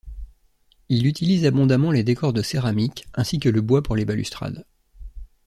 Il utilise abondamment les décors de céramique, ainsi que le bois pour les balustrades.